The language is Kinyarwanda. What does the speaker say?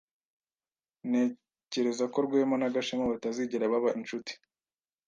Ntekereza ko Rwema na Gashema batazigera baba inshuti.